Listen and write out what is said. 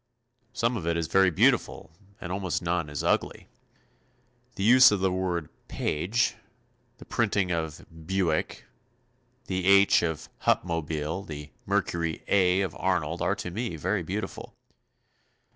Some of it is very beautiful and almost none is ugly. The use of the word "Paige," the printing of "Buick," the "H" of Hupmobile, the Mercury "A" of Arnold are to me very beautiful.